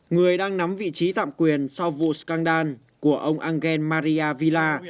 người đang nắm vị trí tạm quyền sau vụ scandal của ông angel maria villa